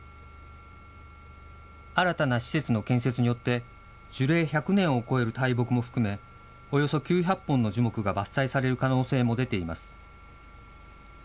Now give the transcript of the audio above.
新たな施設の建設によって、樹齢１００年を超える大木も含め、およそ９００本の樹木が伐採される可能性も出ています。